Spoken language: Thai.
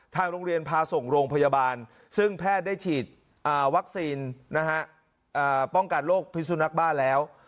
ทางโรงเรียนพาส่งโรงพยาบาลซึ่งแพทย์ได้ฉีดวัคซีนป้องกันโรคพิสุนักบ้าแล้ว